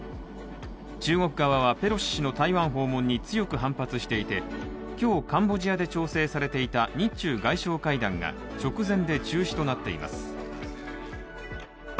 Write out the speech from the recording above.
中国側は、ペロシ氏の台湾訪問に強く反発していて今日、カンボジアで調整されていた日中外相会談が直前で中止となっています。